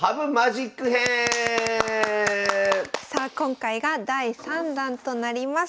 今回が第３弾となります。